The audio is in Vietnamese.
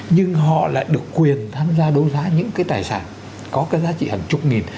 nhưng họ lại được quyền tham gia đấu giá những cái tài sản có cái giá trị hàng chục nghìn